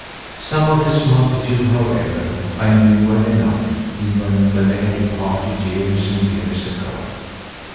Some of this multitude, however, I knew well enough even when they had departed years and years ago.